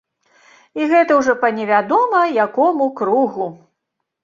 І гэта ўжо па невядома якому кругу.